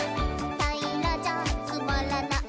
「たいらじゃつまらない」